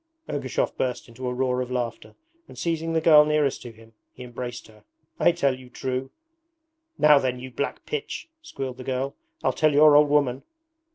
Ergushov burst into a roar of laughter, and seizing the girl nearest to him, he embraced her. 'I tell you true.' 'Now then, you black pitch!' squealed the girl, 'I'll tell your old woman.'